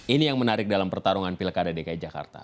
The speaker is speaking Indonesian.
ini yang menarik dalam pertarungan pilkada dki jakarta